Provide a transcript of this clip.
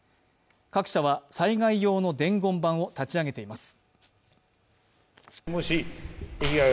各社は災害用の伝言板を立ち上げています。